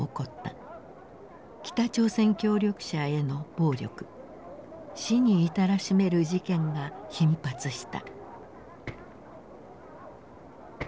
北朝鮮協力者への暴力死に至らしめる事件が頻発した。